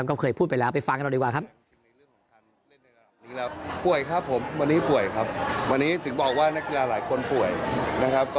ก็เคยพูดไปแล้วไปฟังกันเราดีกว่าครับ